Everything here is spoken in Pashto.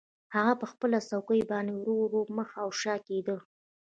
هغه په خپله څوکۍ باندې ورو ورو مخ او شا کیده